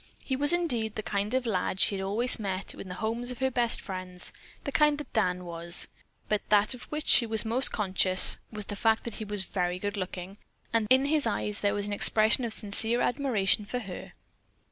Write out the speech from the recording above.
He was indeed the kind of a lad she had always met in the homes of her best friends, the kind that Dan was. But that of which she was most conscious was the fact that he was very good looking, and that in his eyes there was an expression of sincere admiration for her.